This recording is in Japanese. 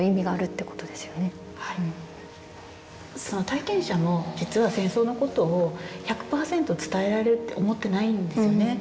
体験者も実は戦争のことを１００％伝えられるって思ってないんですよね。